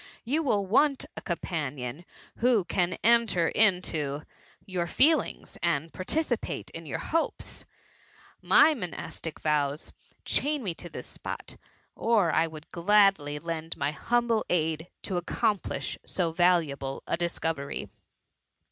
You will want a companion who can enter into your ieelings, and participate in your hopes* My monastic vows' chain me to this spot, or I would gladly lend my humble aid to accomplish so valuable a discovery.